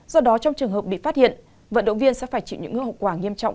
do đó trong trường hợp bị phát hiện vận động viên sẽ phải chịu những hậu quả nghiêm trọng